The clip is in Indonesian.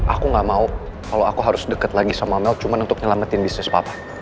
aku gak mau kalau aku harus dekat lagi sama mel cuma untuk nyelamatin bisnis papa